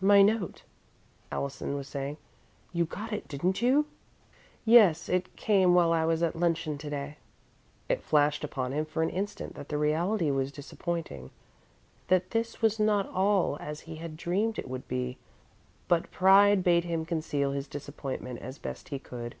"My note," Allison was saying. "You got it, didn't you?" "Yes. It came while I was at luncheon to day." It flashed upon him for an instant that the reality was disappointing, that this was not all as he had dreamed it would be, but pride bade him conceal his disappointment as best he could.